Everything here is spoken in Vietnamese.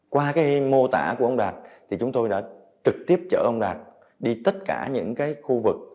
qua cái mô tả của ông đạt thì chúng tôi đã trực tiếp chở ông đạt đi tất cả những cái khu vực